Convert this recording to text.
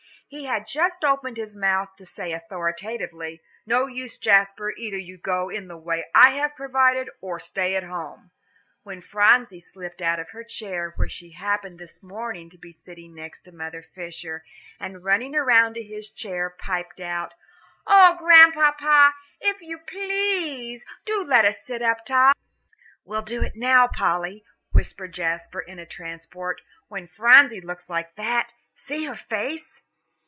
He had just opened his mouth to say authoritatively, "No use, Jasper, either you will go in the way I have provided, or stay at home," when Phronsie slipped out of her chair where she happened this morning to be sitting next to Mother Fisher, and running around to his chair, piped out, "Oh, Grandpapa, if you please, do let us sit up top." "We'll do it now, Polly," whispered Jasper, in a transport, "when Phronsie looks like that. See her face!"